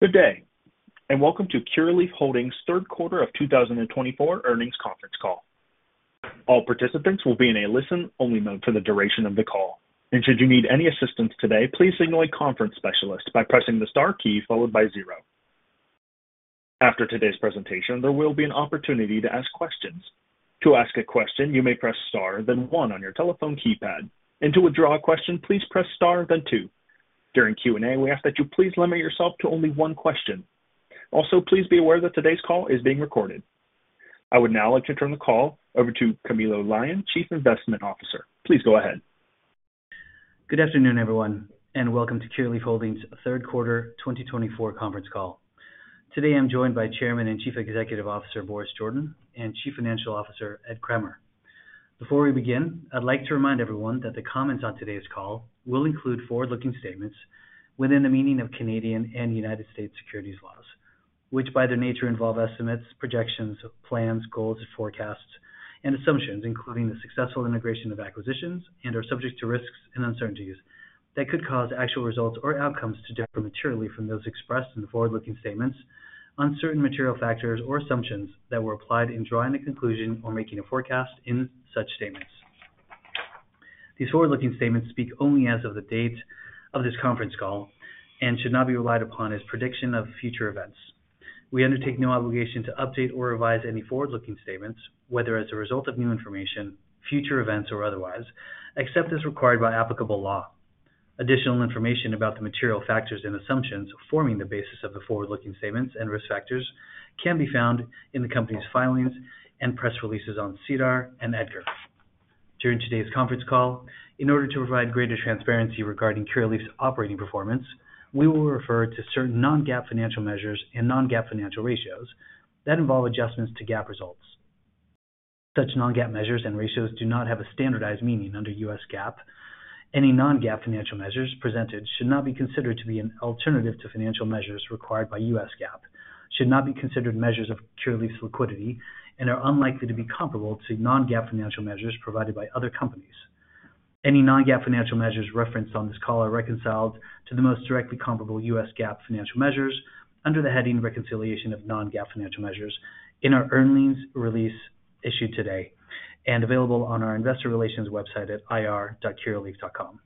Good day, and welcome to Curaleaf Holdings's Q3 of 2024 Earnings Conference Call. All participants will be in a listen-only mode for the duration of the call, and should you need any assistance today, please signal a conference specialist by pressing the star key followed by zero. After today's presentation, there will be an opportunity to ask questions. To ask a question, you may press star, then one on your telephone keypad, and to withdraw a question, please press star, then two. During Q&A, we ask that you please limit yourself to only one question. Also, please be aware that today's call is being recorded. I would now like to turn the call over to Camilo Lyon, Chief Investment Officer. Please go ahead. Good afternoon, everyone, and welcome to Curaleaf Holdings' Q3 2024 Conference Call. Today, I'm joined by Chairman and Chief Executive Officer Boris Jordan and Chief Financial Officer Ed Kremer. Before we begin, I'd like to remind everyone that the comments on today's call will include forward-looking statements within the meaning of Canadian and United States securities laws, which by their nature involve estimates, projections, plans, goals, forecasts, and assumptions, including the successful integration of acquisitions, and are subject to risks and uncertainties that could cause actual results or outcomes to differ materially from those expressed in the forward-looking statements, uncertain material factors or assumptions that were applied in drawing a conclusion or making a forecast in such statements. These forward-looking statements speak only as of the date of this conference call and should not be relied upon as prediction of future events. We undertake no obligation to update or revise any forward-looking statements, whether as a result of new information, future events, or otherwise, except as required by applicable law. Additional information about the material factors and assumptions forming the basis of the forward-looking statements and risk factors can be found in the company's filings and press releases on SEDAR and EDGAR. During today's conference call, in order to provide greater transparency regarding Curaleaf's operating performance, we will refer to certain non-GAAP financial measures and non-GAAP financial ratios that involve adjustments to GAAP results. Such non-GAAP measures and ratios do not have a standardized meaning under U.S. GAAP. Any non-GAAP financial measures presented should not be considered to be an alternative to financial measures required by U.S. GAAP, should not be considered measures of Curaleaf's liquidity, and are unlikely to be comparable to non-GAAP financial measures provided by other companies. Any non-GAAP financial measures referenced on this call are reconciled to the most directly comparable U.S. GAAP financial measures under the heading reconciliation of non-GAAP financial measures in our earnings release issued today and available on our investor relations website at ir.curaleaf.com.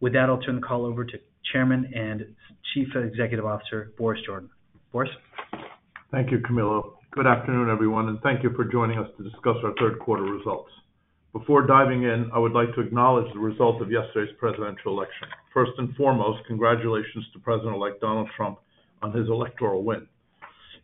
With that, I'll turn the call over to Chairman and Chief Executive Officer Boris Jordan. Boris? Thank you, Camilo. Good afternoon, everyone, and thank you for joining us to discuss our Q3 results. Before diving in, I would like to acknowledge the results of yesterday's presidential election. First and foremost, congratulations to President-elect Donald Trump on his electoral win.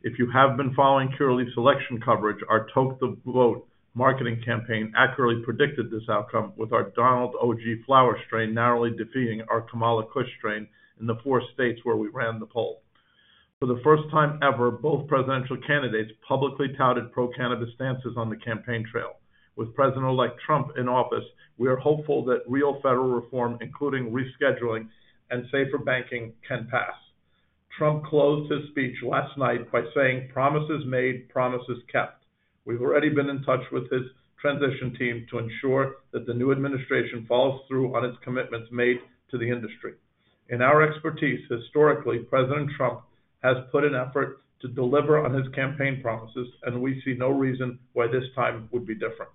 If you have been following Curaleaf's election coverage, our Talk the Vote marketing campaign accurately predicted this outcome with our Donald OG flower strain narrowly defeating our Kamala Kush strain in the four states where we ran the poll. For the first time ever, both presidential candidates publicly touted pro-cannabis stances on the campaign trail. With President-elect Trump in office, we are hopeful that real federal reform, including rescheduling and SAFER Banking, can pass. Trump closed his speech last night by saying, "Promises made, promises kept." We've already been in touch with his transition team to ensure that the new administration follows through on its commitments made to the industry. In our expertise, historically, President Trump has put in effort to deliver on his campaign promises, and we see no reason why this time would be different.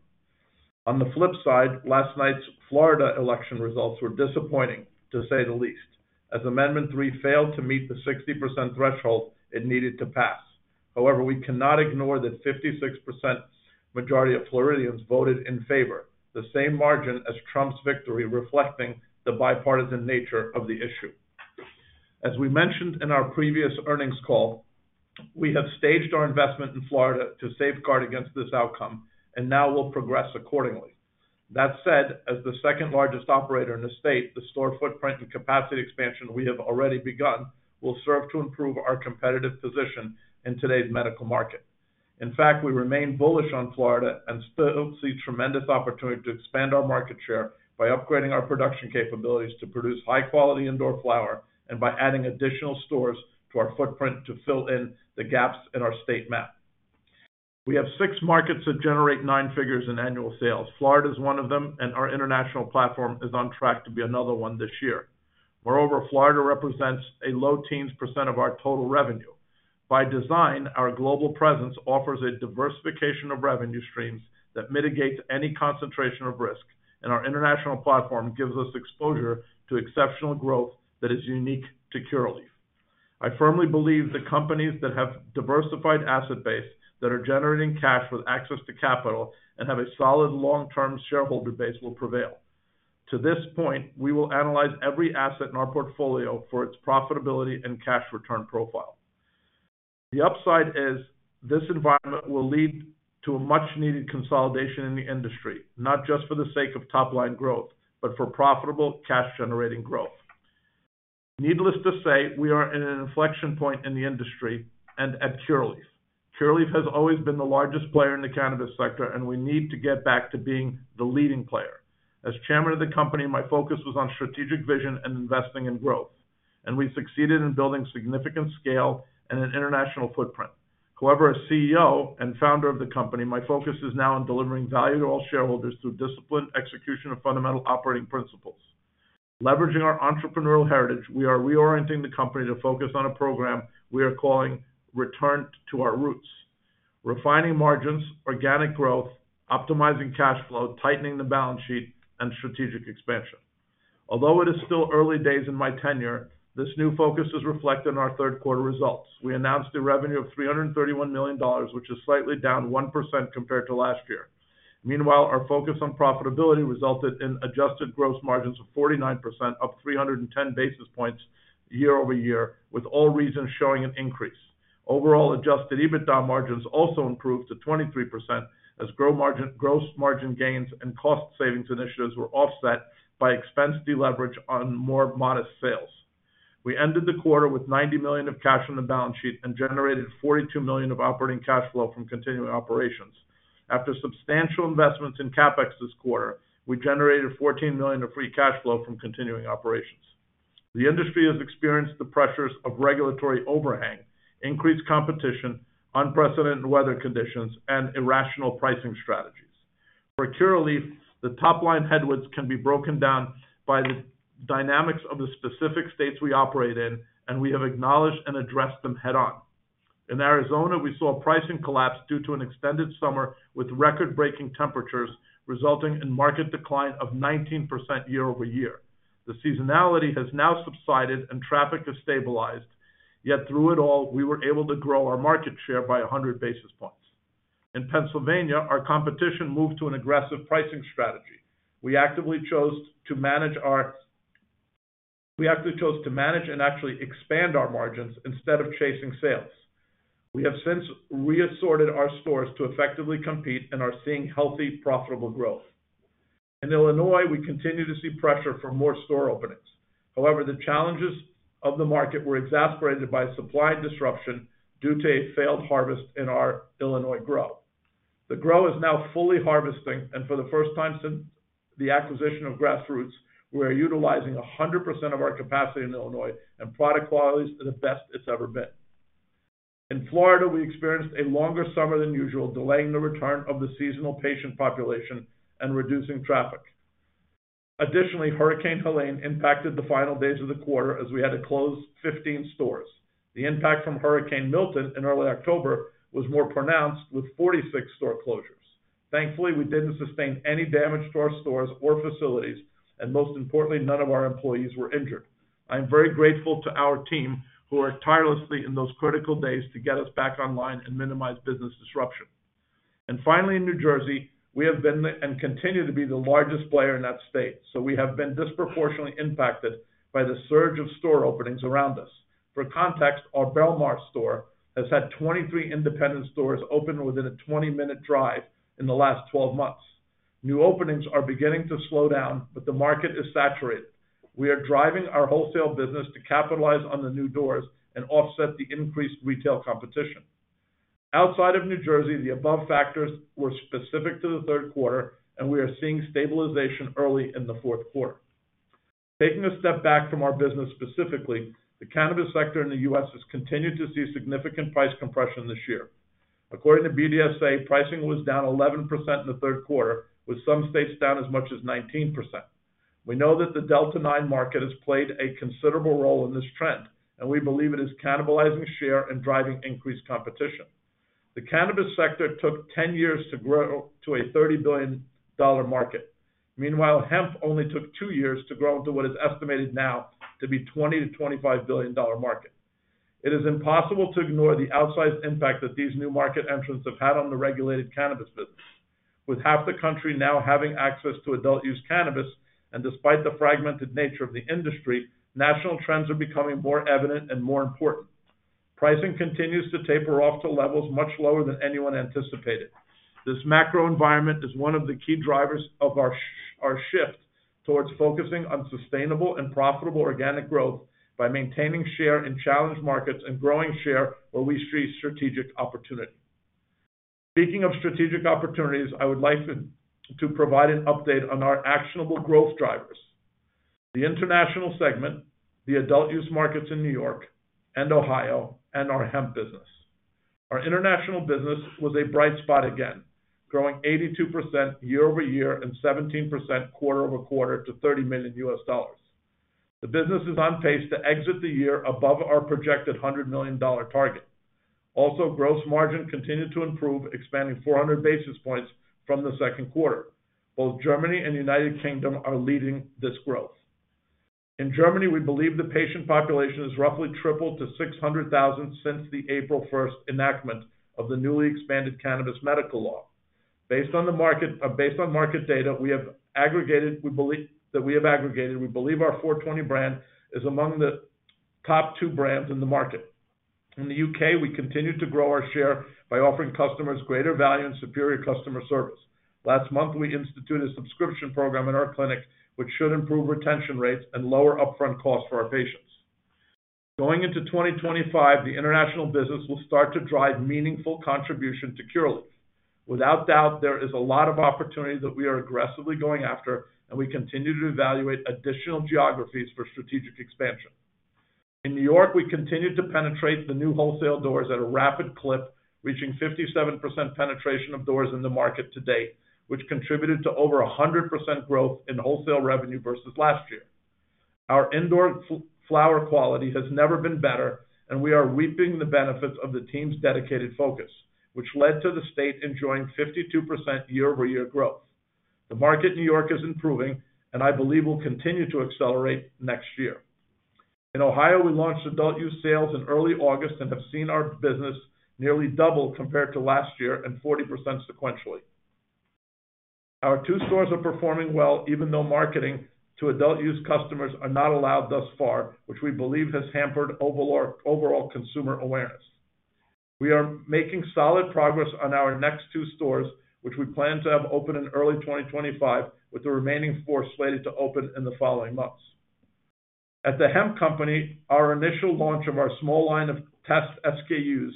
On the flip side, last night's Florida election results were disappointing, to say the least, as Amendment 3 failed to meet the 60% threshold it needed to pass. However, we cannot ignore that a 56% majority of Floridians voted in favor, the same margin as Trump's victory, reflecting the bipartisan nature of the issue. As we mentioned in our previous earnings call, we have staged our investment in Florida to safeguard against this outcome, and now we'll progress accordingly. That said, as the second largest operator in the state, the store footprint and capacity expansion we have already begun will serve to improve our competitive position in today's medical market. In fact, we remain bullish on Florida and still see tremendous opportunity to expand our market share by upgrading our production capabilities to produce high-quality indoor flower and by adding additional stores to our footprint to fill in the gaps in our state map. We have six markets that generate nine figures in annual sales. Florida is one of them, and our international platform is on track to be another one this year. Moreover, Florida represents a low teens % of our total revenue. By design, our global presence offers a diversification of revenue streams that mitigates any concentration of risk, and our international platform gives us exposure to exceptional growth that is unique to Curaleaf. I firmly believe the companies that have diversified asset base that are generating cash with access to capital and have a solid long-term shareholder base will prevail. To this point, we will analyze every asset in our portfolio for its profitability and cash return profile. The upside is this environment will lead to a much-needed consolidation in the industry, not just for the sake of top-line growth, but for profitable cash-generating growth. Needless to say, we are at an inflection point in the industry and at Curaleaf. Curaleaf has always been the largest player in the cannabis sector, and we need to get back to being the leading player. As Chairman of the company, my focus was on strategic vision and investing in growth, and we succeeded in building significant scale and an international footprint. However, as CEO and founder of the company, my focus is now on delivering value to all shareholders through disciplined execution of fundamental operating principles. Leveraging our entrepreneurial heritage, we are reorienting the company to focus on a program we are calling Return to Our Roots: refining margins, organic growth, optimizing cash flow, tightening the balance sheet, and strategic expansion. Although it is still early days in my tenure, this new focus is reflected in our Q3 results. We announced a revenue of $331 million, which is slightly down 1% compared to last year. Meanwhile, our focus on profitability resulted in adjusted gross margins of 49%, up 310 basis points year over year, with all regions showing an increase. Overall Adjusted EBITDA margins also improved to 23% as gross margin gains and cost savings initiatives were offset by expense deleverage on more modest sales. We ended the quarter with $90 million of cash on the balance sheet and generated $42 million of operating cash flow from continuing operations. After substantial investments in CapEx this quarter, we generated $14 million of free cash flow from continuing operations. The industry has experienced the pressures of regulatory overhang, increased competition, unprecedented weather conditions, and irrational pricing strategies. For Curaleaf, the top-line headwinds can be broken down by the dynamics of the specific states we operate in, and we have acknowledged and addressed them head-on. In Arizona, we saw pricing collapse due to an extended summer with record-breaking temperatures, resulting in market decline of 19% year over year. The seasonality has now subsided, and traffic has stabilized. Yet through it all, we were able to grow our market share by 100 basis points. In Pennsylvania, our competition moved to an aggressive pricing strategy. We actively chose to manage and actually expand our margins instead of chasing sales. We have since reassorted our stores to effectively compete and are seeing healthy, profitable growth. In Illinois, we continue to see pressure for more store openings. However, the challenges of the market were exacerbated by supply disruption due to a failed harvest in our Illinois grow. The grow is now fully harvesting, and for the first time since the acquisition of Grassroots, we are utilizing 100% of our capacity in Illinois and product quality is the best it's ever been. In Florida, we experienced a longer summer than usual, delaying the return of the seasonal patient population and reducing traffic. Additionally, Hurricane Helene impacted the final days of the quarter as we had to close 15 stores. The impact from Hurricane Milton in early October was more pronounced, with 46 store closures. Thankfully, we didn't sustain any damage to our stores or facilities, and most importantly, none of our employees were injured. I am very grateful to our team who are tirelessly in those critical days to get us back online and minimize business disruption. And finally, in New Jersey, we have been and continue to be the largest player in that state, so we have been disproportionately impacted by the surge of store openings around us. For context, our Belmar store has had 23 independent stores open within a 20-minute drive in the last 12 months. New openings are beginning to slow down, but the market is saturated. We are driving our wholesale business to capitalize on the new doors and offset the increased retail competition. Outside of New Jersey, the above factors were specific to the Q3, and we are seeing stabilization early in the Q4. Taking a step back from our business specifically, the cannabis sector in the U.S. has continued to see significant price compression this year. According to BDSA, pricing was down 11% in the Q3, with some states down as much as 19%. We know that the Delta-9 market has played a considerable role in this trend, and we believe it is cannibalizing share and driving increased competition. The cannabis sector took 10 years to grow to a $30 billion market. Meanwhile, hemp only took two years to grow to what is estimated now to be a $20-$25 billion market. It is impossible to ignore the outsized impact that these new market entrants have had on the regulated cannabis business. With half the country now having access to adult-use cannabis, and despite the fragmented nature of the industry, national trends are becoming more evident and more important. Pricing continues to taper off to levels much lower than anyone anticipated. This macro environment is one of the key drivers of our shift towards focusing on sustainable and profitable organic growth by maintaining share in challenge markets and growing share where we see strategic opportunity. Speaking of strategic opportunities, I would like to provide an update on our actionable growth drivers: the international segment, the adult-use markets in New York and Ohio, and our hemp business. Our international business was a bright spot again, growing 82% year over year and 17% quarter-over-quarter to $30 million. The business is on pace to exit the year above our projected $100 million target. Also, gross margin continued to improve, expanding 400 basis points from the Q2. Both Germany and the United Kingdom are leading this growth. In Germany, we believe the patient population has roughly tripled to 600,000 since the April 1 enactment of the newly expanded cannabis medical law. Based on market data, we believe our Four 20 brand is among the top two brands in the market. In the U.K., we continue to grow our share by offering customers greater value and superior customer service. Last month, we instituted a subscription program in our clinic, which should improve retention rates and lower upfront costs for our patients. Going into 2025, the international business will start to drive meaningful contribution to Curaleaf. Without doubt, there is a lot of opportunity that we are aggressively going after, and we continue to evaluate additional geographies for strategic expansion. In New York, we continue to penetrate the new wholesale doors at a rapid clip, reaching 57% penetration of doors in the market to date, which contributed to over 100% growth in wholesale revenue versus last year. Our indoor flower quality has never been better, and we are reaping the benefits of the team's dedicated focus, which led to the state enjoying 52% year-over-year growth. The market in New York is improving, and I believe we'll continue to accelerate next year. In Ohio, we launched adult-use sales in early August and have seen our business nearly double compared to last year and 40% sequentially. Our two stores are performing well, even though marketing to adult-use customers is not allowed thus far, which we believe has hampered overall consumer awareness. We are making solid progress on our next two stores, which we plan to have open in early 2025, with the remaining four slated to open in the following months. At the hemp company, our initial launch of our small line of test SKUs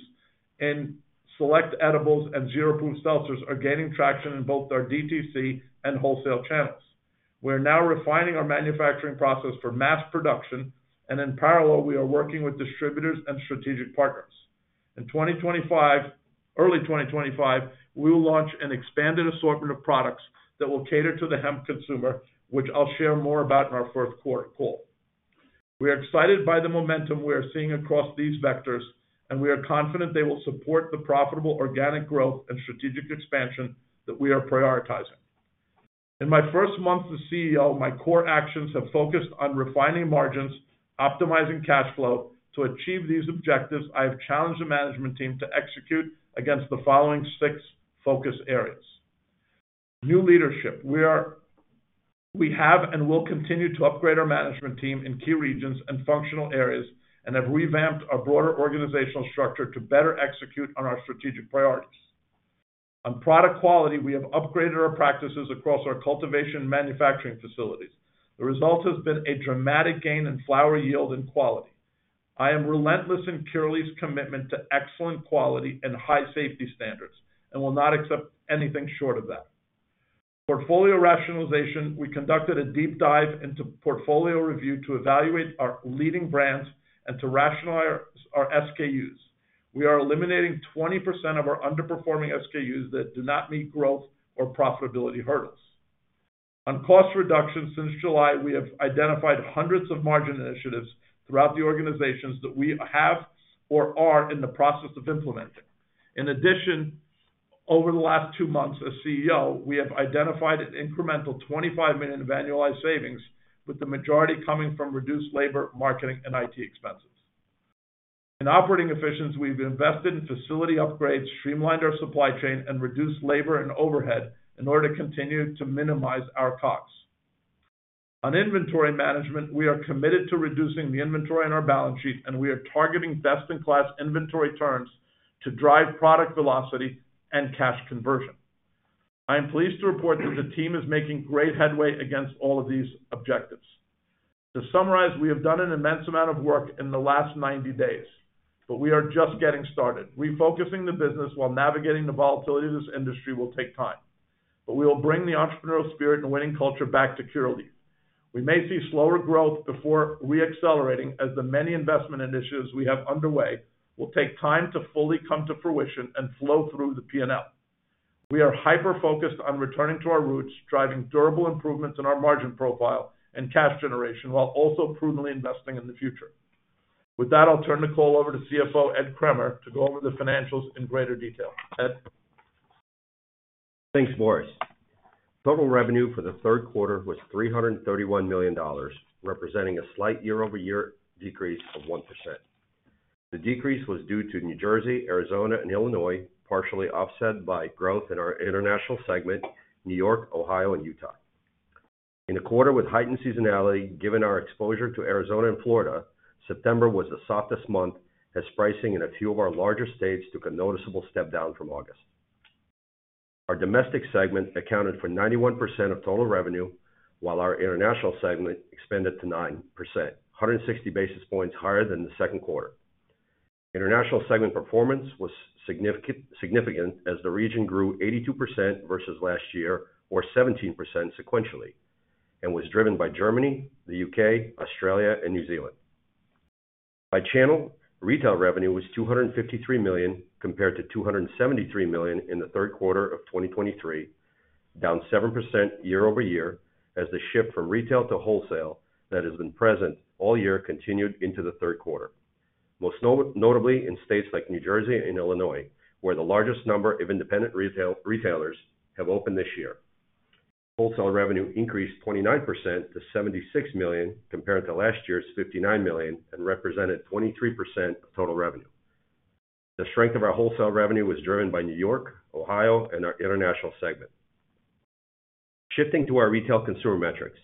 in Select edibles and Zero proof seltzers is gaining traction in both our DTC and wholesale channels. We are now refining our manufacturing process for mass production, and in parallel, we are working with distributors and strategic partners. In 2025, early 2025, we will launch an expanded assortment of products that will cater to the hemp consumer, which I'll share more about in our Q4 call. We are excited by the momentum we are seeing across these vectors, and we are confident they will support the profitable organic growth and strategic expansion that we are prioritizing. In my first month as CEO, my core actions have focused on refining margins, optimizing cash flow. To achieve these objectives, I have challenged the management team to execute against the following six focus areas: new leadership. We have and will continue to upgrade our management team in key regions and functional areas and have revamped our broader organizational structure to better execute on our strategic priorities. On product quality, we have upgraded our practices across our cultivation and manufacturing facilities. The result has been a dramatic gain in flower yield and quality. I am relentless in Curaleaf's commitment to excellent quality and high safety standards and will not accept anything short of that. Portfolio rationalization: we conducted a deep dive into portfolio review to evaluate our leading brands and to rationalize our SKUs. We are eliminating 20% of our underperforming SKUs that do not meet growth or profitability hurdles. On cost reduction: since July, we have identified hundreds of margin initiatives throughout the organizations that we have or are in the process of implementing. In addition, over the last two months as CEO, we have identified an incremental $25 million of annualized savings, with the majority coming from reduced labor, marketing, and IT expenses. In operating efficiency, we've invested in facility upgrades, streamlined our supply chain, and reduced labor and overhead in order to continue to minimize our costs. On inventory management, we are committed to reducing the inventory on our balance sheet, and we are targeting best-in-class inventory turns to drive product velocity and cash conversion. I am pleased to report that the team is making great headway against all of these objectives. To summarize, we have done an immense amount of work in the last 90 days, but we are just getting started. Refocusing the business while navigating the volatility of this industry will take time, but we will bring the entrepreneurial spirit and winning culture back to Curaleaf. We may see slower growth before re-accelerating as the many investment initiatives we have underway will take time to fully come to fruition and flow through the P&L. We are hyper-focused on returning to our roots, driving durable improvements in our margin profile and cash generation while also prudently investing in the future. With that, I'll turn the call over to CFO Ed Kremer to go over the financials in greater detail. Ed. Thanks, Boris. Total revenue for the Q3 was $331 million, representing a slight year-over-year decrease of 1%. The decrease was due to New Jersey, Arizona, and Illinois, partially offset by growth in our international segment, New York, Ohio, and Utah. In a quarter with heightened seasonality, given our exposure to Arizona and Florida, September was the softest month, as pricing in a few of our larger states took a noticeable step down from August. Our domestic segment accounted for 91% of total revenue, while our international segment expanded to 9%, 160 basis points higher than the Q2. International segment performance was significant as the region grew 82% versus last year, or 17% sequentially, and was driven by Germany, the UK, Australia, and New Zealand. By channel, retail revenue was $253 million compared to $273 million in the Q3 of 2023, down 7% year-over-year as the shift from retail to wholesale that has been present all year continued into the Q3, most notably in states like New Jersey and Illinois, where the largest number of independent retailers have opened this year. Wholesale revenue increased 29% to $76 million compared to last year's $59 million and represented 23% of total revenue. The strength of our wholesale revenue was driven by New York, Ohio, and our international segment. Shifting to our retail consumer metrics,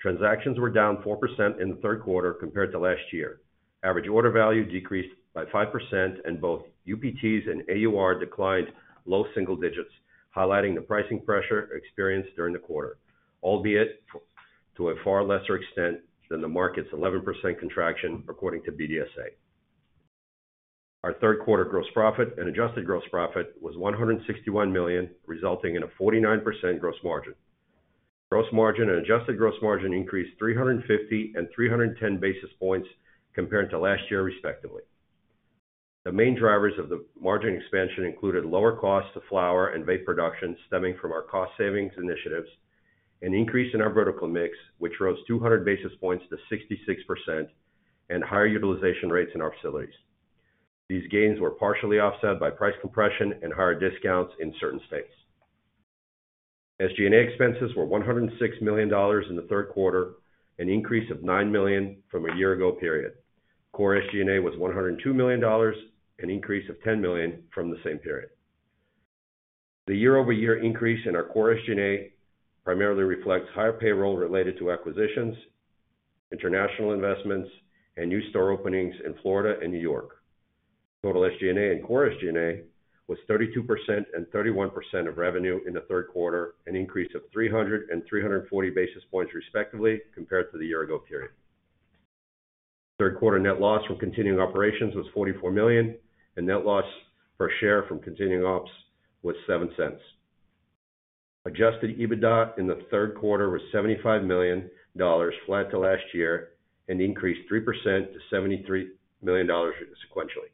transactions were down 4% in the Q3 compared to last year. Average order value decreased by 5%, and both UPTs and AUR declined low single digits, highlighting the pricing pressure experienced during the quarter, albeit to a far lesser extent than the market's 11% contraction, according to BDSA. Our Q3 gross profit and adjusted gross profit was $161 million, resulting in a 49% gross margin. Gross margin and adjusted gross margin increased 350 and 310 basis points compared to last year, respectively. The main drivers of the margin expansion included lower costs to flower and vape production stemming from our cost savings initiatives, an increase in our vertical mix, which rose 200 basis points to 66%, and higher utilization rates in our facilities. These gains were partially offset by price compression and higher discounts in certain states. SG&A expenses were $106 million in the Q3, an increase of $9 million from a year-ago period. Core SG&A was $102 million, an increase of $10 million from the same period. The year-over-year increase in our core SG&A primarily reflects higher payroll related to acquisitions, international investments, and new store openings in Florida and New York. Total SG&A and core SG&A was 32% and 31% of revenue in the Q3, an increase of 300 and 340 basis points respectively compared to the year-ago period. Q3 net loss from continuing operations was $44 million, and net loss per share from continuing ops was $0.07. Adjusted EBITDA in the Q3 was $75 million, flat to last year, and increased 3% to $73 million sequentially.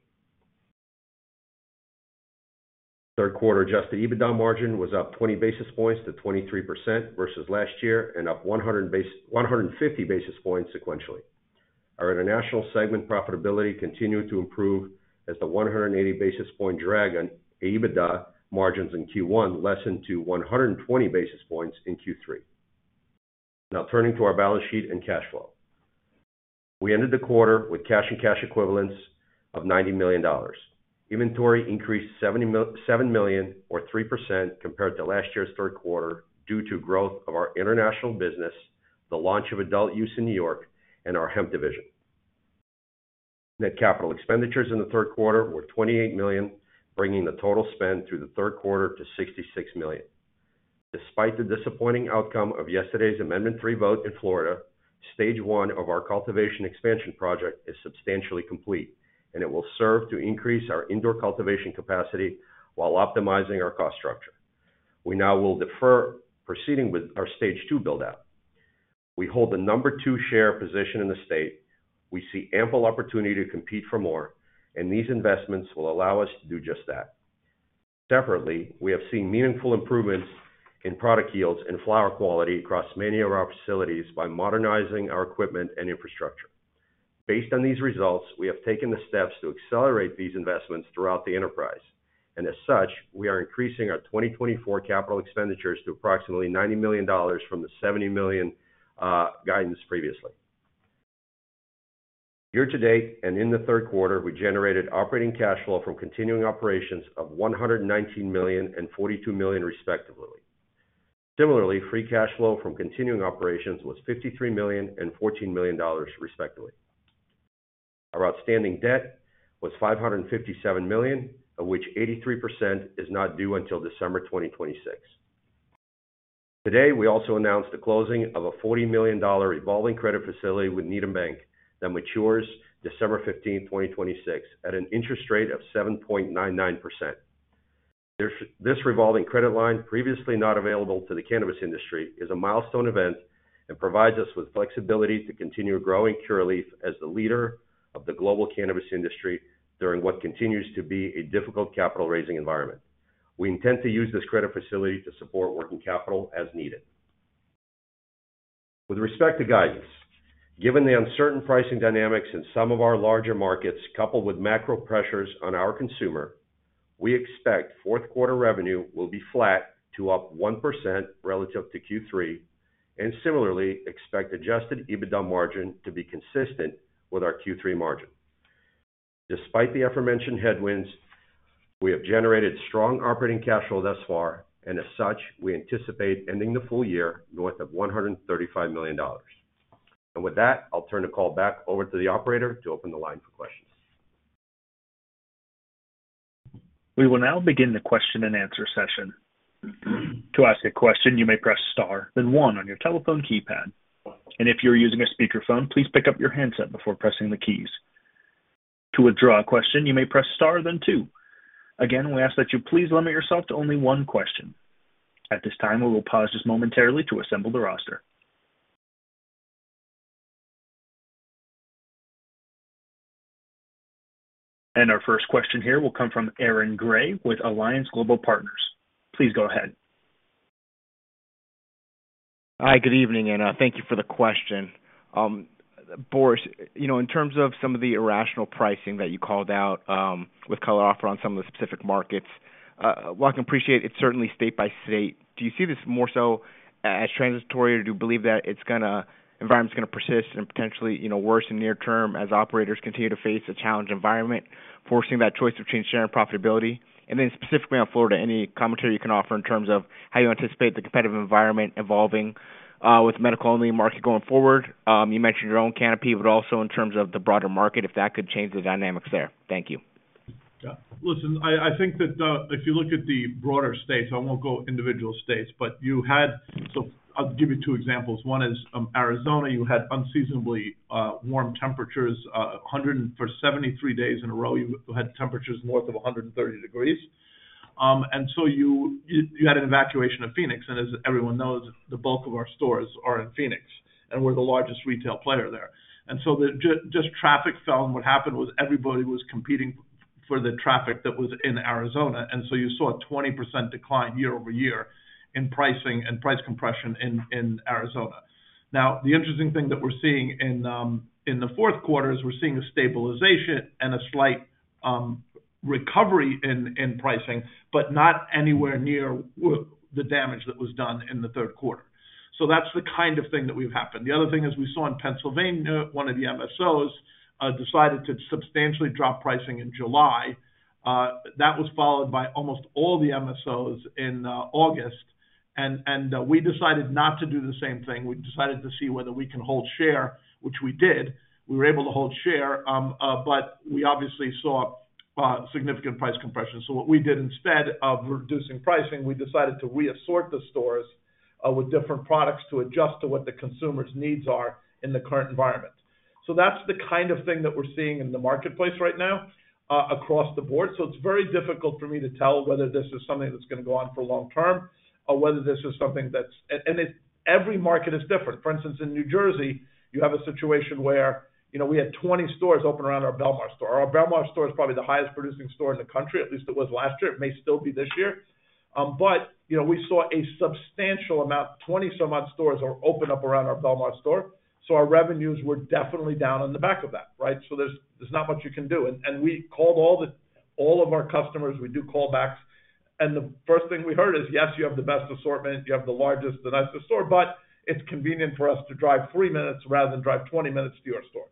Q3 adjusted EBITDA margin was up 20 basis points to 23% versus last year and up 150 basis points sequentially. Our international segment profitability continued to improve as the 180 basis point drag on EBITDA margins in Q1 lessened to 120 basis points in Q3. Now, turning to our balance sheet and cash flow. We ended the quarter with cash and cash equivalents of $90 million. Inventory increased $7 million, or 3%, compared to last year's Q3 due to growth of our international business, the launch of adult-use in New York, and our hemp division. Net capital expenditures in the Q3 were $28 million, bringing the total spend through the Q3 to $66 million. Despite the disappointing outcome of yesterday's Amendment 3 vote in Florida, stage one of our cultivation expansion project is substantially complete, and it will serve to increase our indoor cultivation capacity while optimizing our cost structure. We now will defer proceeding with our stage two build-out. We hold the number two share position in the state. We see ample opportunity to compete for more, and these investments will allow us to do just that. Separately, we have seen meaningful improvements in product yields and flower quality across many of our facilities by modernizing our equipment and infrastructure. Based on these results, we have taken the steps to accelerate these investments throughout the enterprise, and as such, we are increasing our 2024 capital expenditures to approximately $90 million from the $70 million guidance previously. Year to date and in the Q3 we generated operating cash flow from continuing operations of $119 million and $42 million, respectively. Similarly, free cash flow from continuing operations was $53 million and $14 million, respectively. Our outstanding debt was $557 million, of which 83% is not due until December 2026. Today, we also announced the closing of a $40 million revolving credit facility with Needham Bank that matures December 15, 2026, at an interest rate of 7.99%. This revolving credit line, previously not available to the cannabis industry, is a milestone event and provides us with flexibility to continue growing Curaleaf as the leader of the global cannabis industry during what continues to be a difficult capital-raising environment. We intend to use this credit facility to support working capital as needed. With respect to guidance, given the uncertain pricing dynamics in some of our larger markets coupled with macro pressures on our consumer, we expect Q4 revenue will be flat to up 1% relative to Q3, and similarly, expect Adjusted EBITDA margin to be consistent with our Q3 margin. Despite the aforementioned headwinds, we have generated strong operating cash flow thus far, and as such, we anticipate ending the full year north of $135 million. And with that, I'll turn the call back over to the operator to open the line for questions. We will now begin the question and answer session. To ask a question, you may press star, then 1 on your telephone keypad. And if you're using a speakerphone, please pick up your handset before pressing the keys. To withdraw a question, you may press star, then 2. Again, we ask that you please limit yourself to only one question. At this time, we will pause just momentarily to assemble the roster. And our first question here will come from Aaron Gray with Alliance Global Partners. Please go ahead. Hi, good evening, and thank you for the question. Boris, in terms of some of the irrational pricing that you called out with Curaleaf on some of the specific markets, I can appreciate it's certainly state by state. Do you see this more so as transitory, or do you believe that environment's going to persist and potentially worse in the near term as operators continue to face a challenge environment forcing that choice of market share and profitability? And then specifically on Florida, any commentary you can offer in terms of how you anticipate the competitive environment evolving with the medical-only market going forward? You mentioned your own canopy, but also in terms of the broader market, if that could change the dynamics there. Thank you. Listen, I think that if you look at the broader states, I won't go individual states, but you had, so I'll give you two examples. One is Arizona. You had unseasonably warm temperatures for 73 days in a row. You had temperatures north of 130 degrees Fahrenheit, and so you had an evacuation of Phoenix. As everyone knows, the bulk of our stores are in Phoenix, and we're the largest retail player there. So just traffic felt, and what happened was everybody was competing for the traffic that was in Arizona. So you saw a 20% decline year over year in pricing and price compression in Arizona. Now, the interesting thing that we're seeing in the Q4 is we're seeing a stabilization and a slight recovery in pricing, but not anywhere near the damage that was done in theQ3. So that's the kind of thing that's happened. The other thing is we saw in Pennsylvania, one of the MSOs decided to substantially drop pricing in July. That was followed by almost all the MSOs in August. We decided not to do the same thing. We decided to see whether we can hold share, which we did. We were able to hold share, but we obviously saw significant price compression. So what we did instead of reducing pricing, we decided to reassort the stores with different products to adjust to what the consumer's needs are in the current environment. So that's the kind of thing that we're seeing in the marketplace right now across the board. So it's very difficult for me to tell whether this is something that's going to go on for long term or whether this is something that's, and every market is different. For instance, in New Jersey, you have a situation where we had 20 stores open around our Belmar store. Our Belmar store is probably the highest producing store in the country. At least it was last year. It may still be this year. But we saw a substantial amount, 20-some-odd stores open up around our Belmar store. So our revenues were definitely down on the back of that, right? So there's not much you can do. And we called all of our customers. We do callbacks. And the first thing we heard is, "Yes, you have the best assortment. You have the largest, the nicest store, but it's convenient for us to drive 30 minutes rather than drive 20 minutes to your store."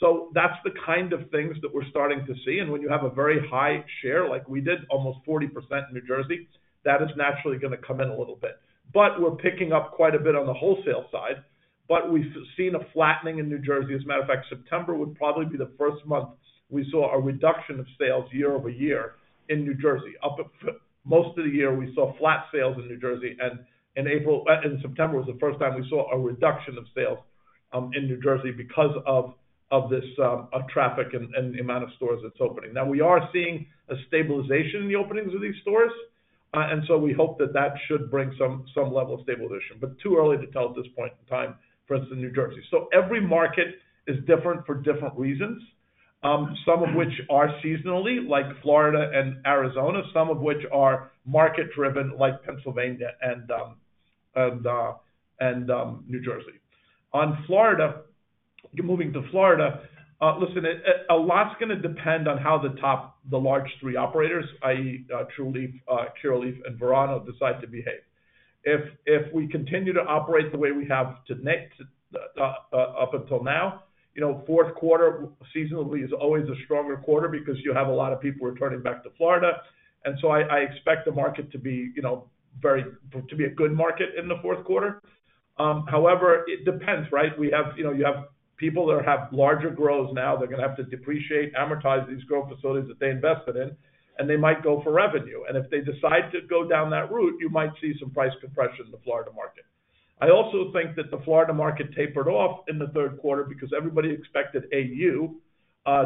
So that's the kind of things that we're starting to see. And when you have a very high share, like we did, almost 40% in New Jersey, that is naturally going to come in a little bit. But we're picking up quite a bit on the wholesale side. But we've seen a flattening in New Jersey. As a matter of fact, September would probably be the first month we saw a reduction of sales year over year in New Jersey. Most of the year, we saw flat sales in New Jersey, and in September was the first time we saw a reduction of sales in New Jersey because of this traffic and the amount of stores that's opening. Now, we are seeing a stabilization in the openings of these stores, and so we hope that that should bring some level of stabilization, but too early to tell at this point in time, for instance, in New Jersey, so every market is different for different reasons, some of which are seasonally, like Florida and Arizona, some of which are market-driven, like Pennsylvania and New Jersey. On Florida, moving to Florida, listen, a lot's going to depend on how the top, the large three operators, i.e., Trulieve, Curaleaf, and Verano, decide to behave. If we continue to operate the way we have up until now, Q4 seasonally is always a stronger quarter because you have a lot of people returning back to Florida. And so I expect the market to be a good market in the Q4. However, it depends, right? You have people that have larger grows now. They're going to have to depreciate, amortize these growth facilities that they invested in, and they might go for revenue. And if they decide to go down that route, you might see some price compression in the Florida market. I also think that the Florida market tapered off in the Q3 because everybody expected AU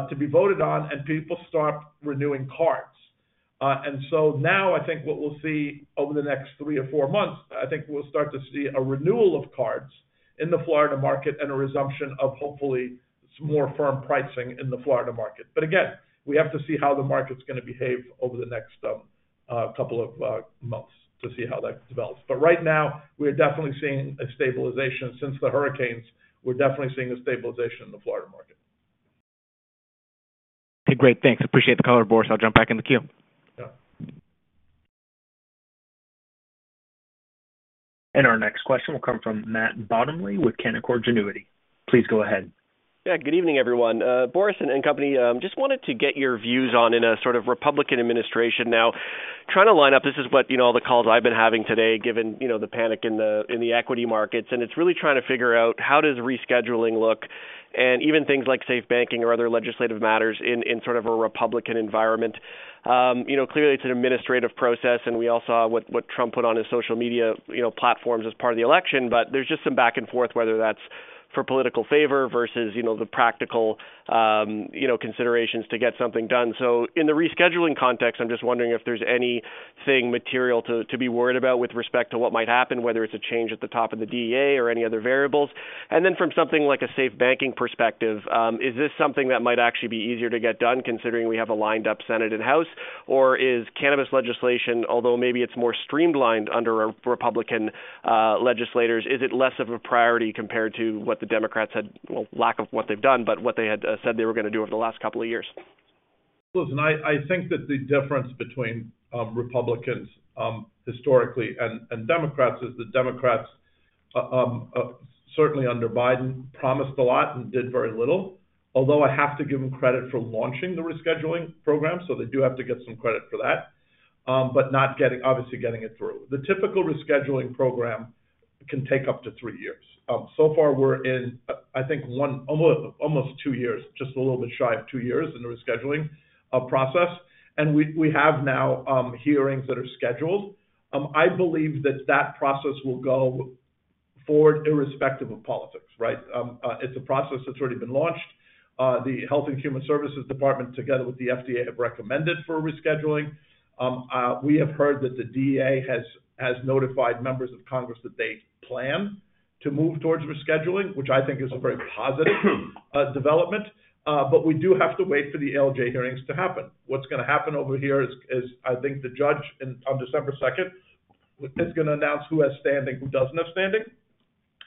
to be voted on, and people stopped renewing cards. And so now I think what we'll see over the next three or four months, I think we'll start to see a renewal of cards in the Florida market and a resumption of hopefully more firm pricing in the Florida market. But again, we have to see how the market's going to behave over the next couple of months to see how that develops. But right now, we are definitely seeing a stabilization. Since the hurricanes, we're definitely seeing a stabilization in the Florida market. Okay, great. Thanks. Appreciate the caller, Boris. I'll jump back in the queue. And our next question will come from Matt Bottomley with Canaccord Genuity. Please go ahead. Yeah, good evening, everyone. Boris and company, just wanted to get your views on in a sort of Republican administration. Now, trying to line up, this is what all the calls I've been having today, given the panic in the equity markets. And it's really trying to figure out how does rescheduling look and even things like SAFER Banking or other legislative matters in sort of a Republican environment. Clearly, it's an administrative process, and we all saw what Trump put on his social media platforms as part of the election. But there's just some back and forth, whether that's for political favor versus the practical considerations to get something done. So in the rescheduling context, I'm just wondering if there's anything material to be worried about with respect to what might happen, whether it's a change at the top of the DEA or any other variables. And then from something like a SAFE Banking perspective, is this something that might actually be easier to get done considering we have a lined-up Senate and House? Or is cannabis legislation, although maybe it's more streamlined under Republican legislators, is it less of a priority compared to what the Democrats had, well, lack of what they've done, but what they had said they were going to do over the last couple of years? Listen, I think that the difference between Republicans historically and Democrats is the Democrats, certainly under Biden, promised a lot and did very little. Although I have to give them credit for launching the rescheduling program, so they do have to get some credit for that, but obviously getting it through. The typical rescheduling program can take up to three years. So far, we're in, I think, almost two years, just a little bit shy of two years in the rescheduling process. And we have now hearings that are scheduled. I believe that that process will go forward irrespective of politics, right? It's a process that's already been launched. The Health and Human Services Department, together with the FDA, have recommended for rescheduling. We have heard that the DEA has notified members of Congress that they plan to move towards rescheduling, which I think is a very positive development. But we do have to wait for the ALJ hearings to happen. What's going to happen over here is, I think the judge on December 2nd is going to announce who has standing, who doesn't have standing,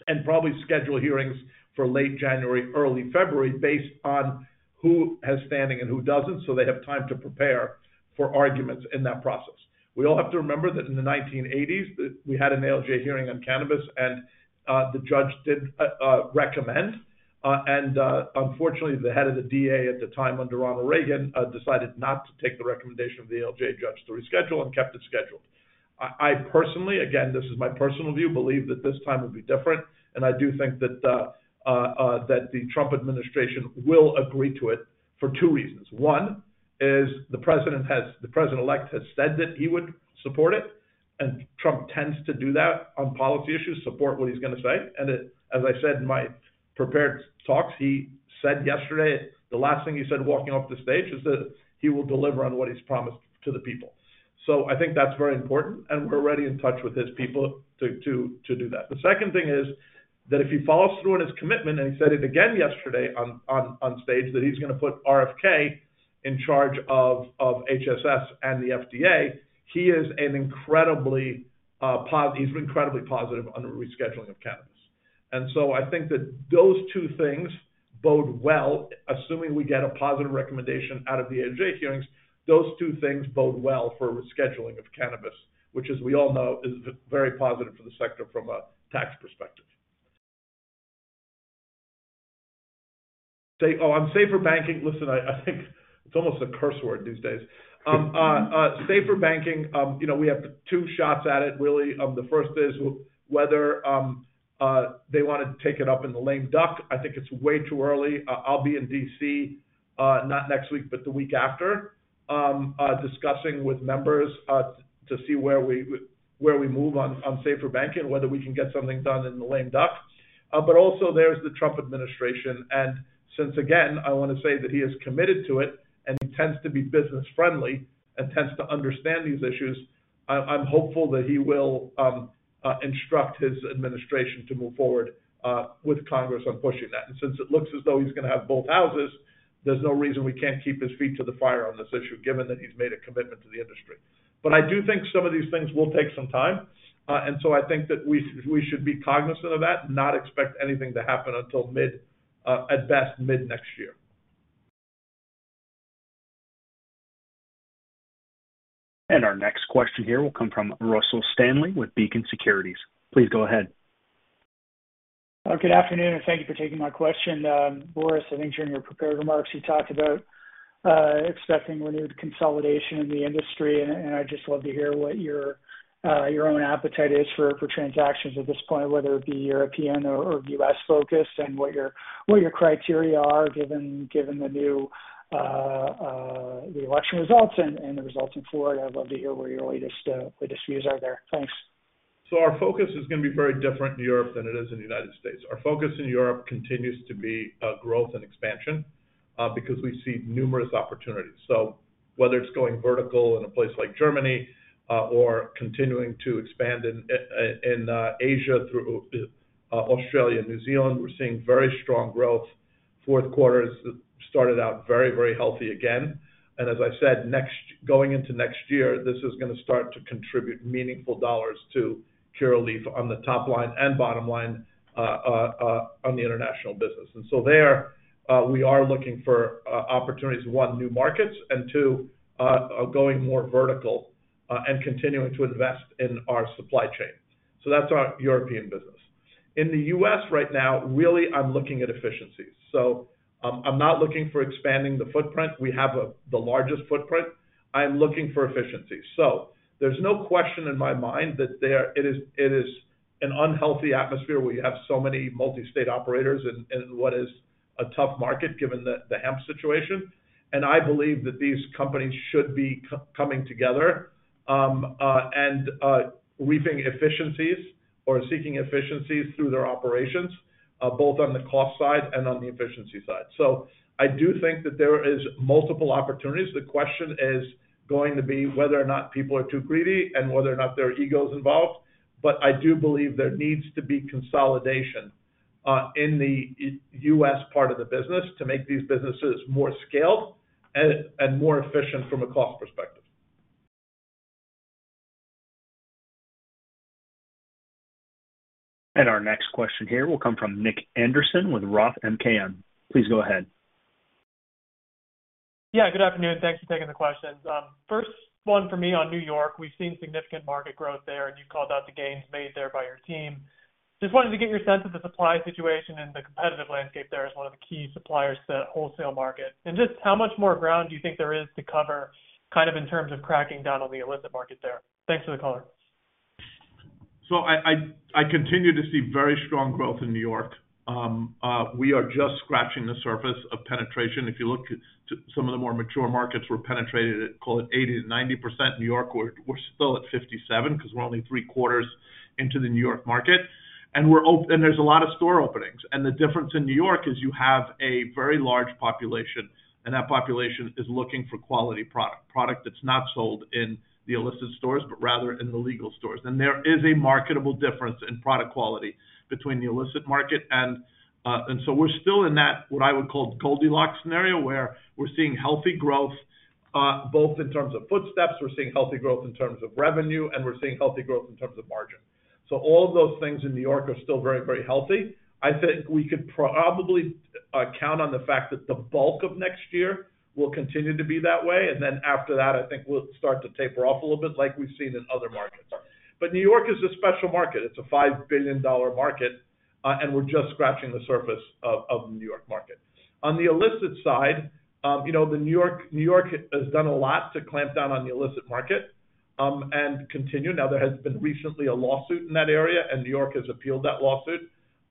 and probably schedule hearings for late January, early February based on who has standing and who doesn't, so they have time to prepare for arguments in that process. We all have to remember that in the 1980s, we had an ALJ hearing on cannabis, and the judge did recommend, and unfortunately, the head of the DEA at the time, under Ronald Reagan, decided not to take the recommendation of the ALJ judge to reschedule and kept it scheduled. I personally, again, this is my personal view, believe that this time will be different, and I do think that the Trump administration will agree to it for two reasons. One is the president-elect has said that he would support it. Trump tends to do that on policy issues, support what he's going to say. As I said in my prepared talks, he said yesterday, the last thing he said walking off the stage is that he will deliver on what he's promised to the people. I think that's very important. We're already in touch with his people to do that. The second thing is that if he follows through on his commitment, he said it again yesterday on stage that he's going to put RFK in charge of HHS and the FDA. He has been incredibly positive on the rescheduling of cannabis. I think that those two things bode well, assuming we get a positive recommendation out of the ALJ hearings. Those two things bode well for rescheduling of cannabis, which, as we all know, is very positive for the sector from a tax perspective. On SAFER Banking, listen, I think it's almost a curse word these days. SAFER Banking, we have two shots at it, really. The first is whether they want to take it up in the lame duck. I think it's way too early. I'll be in DC, not next week, but the week after, discussing with members to see where we move on SAFER Banking, whether we can get something done in the lame duck. But also there's the Trump administration. And since, again, I want to say that he has committed to it and he tends to be business-friendly and tends to understand these issues, I'm hopeful that he will instruct his administration to move forward with Congress on pushing that. And since it looks as though he's going to have both houses, there's no reason we can't keep his feet to the fire on this issue, given that he's made a commitment to the industry. But I do think some of these things will take some time. And so I think that we should be cognizant of that, not expect anything to happen until, at best, mid-next year. And our next question here will come from Russell Stanley with Beacon Securities. Please go ahead. Good afternoon, and thank you for taking my question. Boris, I think during your prepared remarks, you talked about expecting renewed consolidation in the industry. And I'd just love to hear what your own appetite is for transactions at this point, whether it be European or U.S. focused, and what your criteria are given the election results and the results in Florida. I'd love to hear what your latest views are there. Thanks, So our focus is going to be very different in Europe than it is in the United States. Our focus in Europe continues to be growth and expansion because we see numerous opportunities, so whether it's going vertical in a place like Germany or continuing to expand in Asia through Australia and New Zealand, we're seeing very strong growth. Q4 started out very, very healthy again, and as I said, going into next year, this is going to start to contribute meaningful dollars to Curaleaf on the top line and bottom line on the international business, and so there, we are looking for opportunities, one, new markets, and two, going more vertical and continuing to invest in our supply chain, so that's our European business. In the U.S. right now, really, I'm looking at efficiencies. I'm not looking for expanding the footprint. We have the largest footprint. I'm looking for efficiencies. There's no question in my mind that it is an unhealthy atmosphere where you have so many multi-state operators in what is a tough market given the hemp situation. I believe that these companies should be coming together and reaping efficiencies or seeking efficiencies through their operations, both on the cost side and on the efficiency side. I do think that there are multiple opportunities. The question is going to be whether or not people are too greedy and whether or not there are egos involved. I do believe there needs to be consolidation in the U.S. part of the business to make these businesses more scaled and more efficient from a cost perspective. Our next question here will come from Nick Anderson with Roth MKM. Please go ahead. Yeah, good afternoon. Thanks for taking the questions. First one for me on New York. We've seen significant market growth there, and you called out the gains made there by your team. Just wanted to get your sense of the supply situation and the competitive landscape there as one of the key suppliers to the wholesale market. And just how much more ground do you think there is to cover kind of in terms of cracking down on the illicit market there? Thanks for the caller. So I continue to see very strong growth in New York. We are just scratching the surface of penetration. If you look at some of the more mature markets, we're penetrated, call it 80%-90%. New York, we're still at 57 because we're only three quarters into the New York market. And there's a lot of store openings. And the difference in New York is you have a very large population, and that population is looking for quality product, product that's not sold in the illicit stores, but rather in the legal stores. And there is a marketable difference in product quality between the illicit market. And so we're still in that, what I would call, Goldilocks scenario, where we're seeing healthy growth, both in terms of footsteps, we're seeing healthy growth in terms of revenue, and we're seeing healthy growth in terms of margin. So all of those things in New York are still very, very healthy. I think we could probably count on the fact that the bulk of next year will continue to be that way. And then after that, I think we'll start to taper off a little bit like we've seen in other markets. But New York is a special market. It's a $5 billion market, and we're just scratching the surface of the New York market. On the illicit side, the New York has done a lot to clamp down on the illicit market and continue. Now, there has been recently a lawsuit in that area, and New York has appealed that lawsuit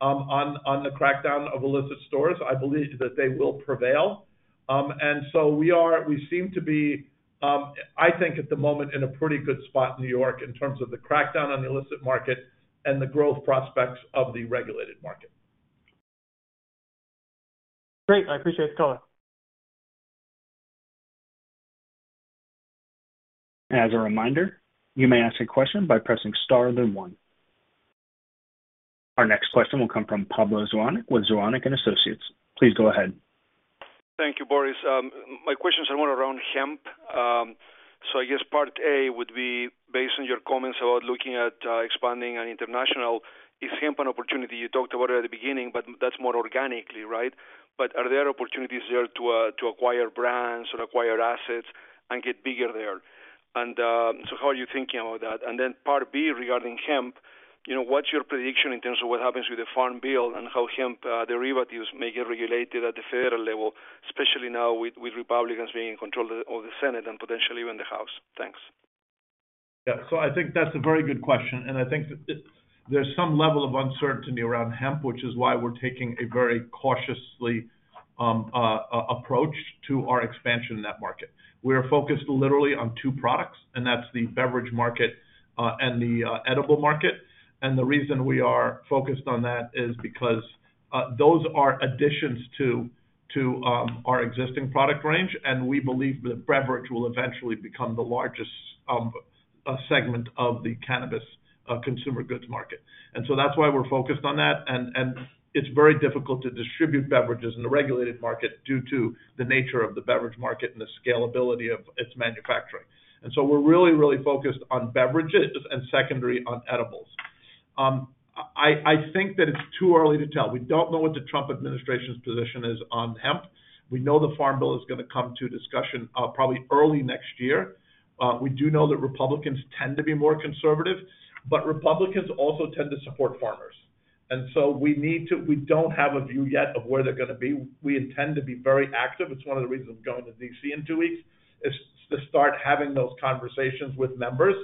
on the crackdown of illicit stores. I believe that they will prevail. And so we seem to be, I think, at the moment in a pretty good spot in New York in terms of the crackdown on the illicit market and the growth prospects of the regulated market. Great. I appreciate the caller. And as a reminder, you may ask a question by pressing star then one. Our next question will come from Pablo Zuanic with Zuanic & Associates. Please go ahead. Thank you, Boris. My questions are more around hemp. So I guess part A would be, based on your comments about looking at expanding on international, is hemp an opportunity? You talked about it at the beginning, but that's more organically, right? But are there opportunities there to acquire brands or acquire assets and get bigger there? And so how are you thinking about that? And then part B regarding hemp, what's your prediction in terms of what happens with the Farm Bill and how hemp derivatives may get regulated at the federal level, especially now with Republicans being in control of the Senate and potentially even the House? Thanks. Yeah, so I think that's a very good question. And I think there's some level of uncertainty around hemp, which is why we're taking a very cautiously approach to our expansion in that market. We are focused literally on two products, and that's the beverage market and the edible market. And the reason we are focused on that is because those are additions to our existing product range. And we believe that beverage will eventually become the largest segment of the cannabis consumer goods market. And so that's why we're focused on that. And it's very difficult to distribute beverages in the regulated market due to the nature of the beverage market and the scalability of its manufacturing. And so we're really, really focused on beverages and secondary on edibles. I think that it's too early to tell. We don't know what the Trump administration's position is on hemp. We know the Farm Bill is going to come to discussion probably early next year. We do know that Republicans tend to be more conservative, but Republicans also tend to support farmers. We don't have a view yet of where they're going to be. We intend to be very active. It's one of the reasons I'm going to DC in two weeks, is to start having those conversations with members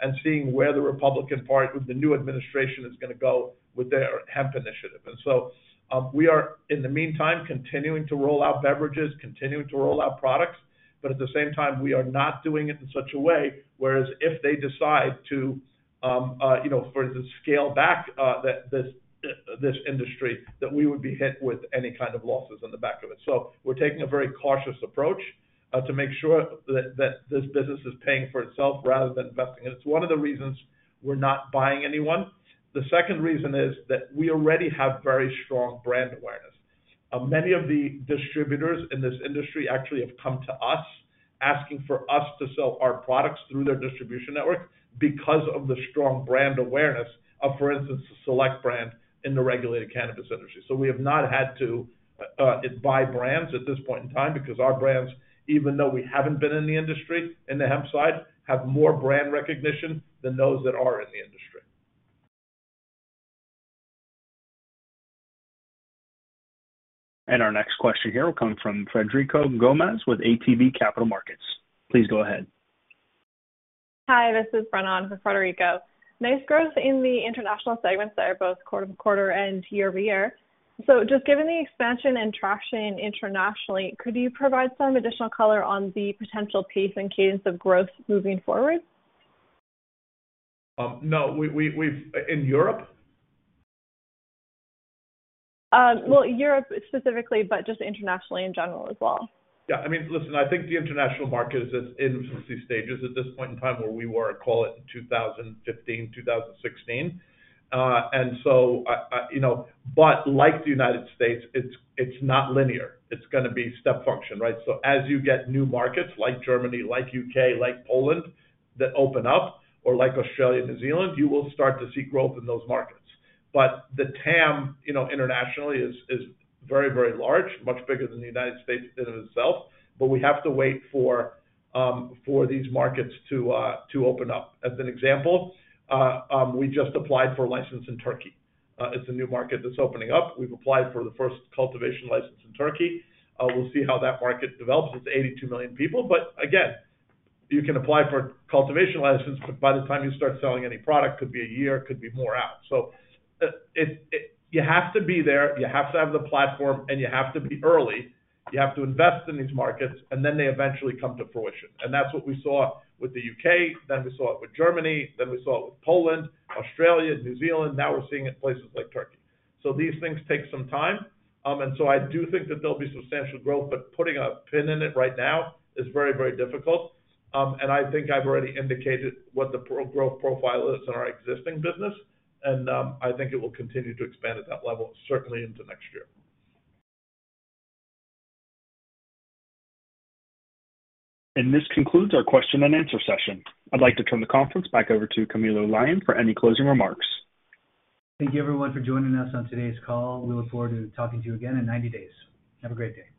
and seeing where the Republican party of the new administration is going to go with their hemp initiative. So we are, in the meantime, continuing to roll out beverages, continuing to roll out products. But at the same time, we are not doing it in such a way whereas if they decide to, for instance, scale back this industry, that we would be hit with any kind of losses on the back of it. We're taking a very cautious approach to make sure that this business is paying for itself rather than investing. It's one of the reasons we're not buying anyone. The second reason is that we already have very strong brand awareness. Many of the distributors in this industry actually have come to us asking for us to sell our products through their distribution network because of the strong brand awareness of, for instance, the Select brand in the regulated cannabis industry. So we have not had to buy brands at this point in time because our brands, even though we haven't been in the industry in the hemp side, have more brand recognition than those that are in the industry. Our next question here will come from Frederico Gomes with ATB Capital Markets. Please go ahead. Hi, this is Bronan from Puerto Rico. Nice growth in the international segments there, both quarter-to-quarter and year over year. So just given the expansion and traction internationally, could you provide some additional color on the potential pace and cadence of growth moving forward? No. In Europe? Well, Europe specifically, but just internationally in ge neral as well. Yeah. I mean, listen, I think the international market is in some stages at this point in time where we were, call it 2015, 2016. And so, but like the United States, it's not linear. It's going to be step function, right? So as you get new markets like Germany, like U.K., like Poland that open up, or like Australia and New Zealand, you will start to see growth in those markets. But the TAM internationally is very, very large, much bigger than the United States in and of itself. But we have to wait for these markets to open up. As an example, we just applied for a license in Turkey. It's a new market that's opening up. We've applied for the first cultivation license in Turkey. We'll see how that market develops. It's 82 million people. But again, you can apply for a cultivation license, but by the time you start selling any product, it could be a year, could be more out. So you have to be there. You have to have the platform, and you have to be early. You have to invest in these markets, and then they eventually come to fruition. And that's what we saw with the U.K. Then we saw it with Germany. Then we saw it with Poland, Australia, New Zealand. Now we're seeing it in places like Turkey. So these things take some time. And so I do think that there'll be substantial growth, but putting a pin in it right now is very, very difficult. I think I've already indicated what the growth profile is in our existing business. I think it will continue to expand at that level, certainly into next year. This concludes our question and answer session. I'd like to turn the conference back over to Camilo Lyon for any closing remarks. Thank you, everyone, for joining us on today's call. We look forward to talking to you again in 90 days. Have a great day.